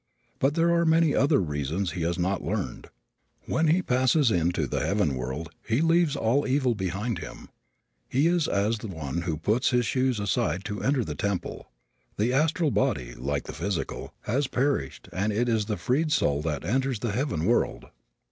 But there are many other lessons he has not learned. When he passes into the heaven world he leaves all evil behind him. He is as one who puts his shoes aside to enter a temple. The astral body, like the physical, has perished and it is the freed soul that enters the heaven world.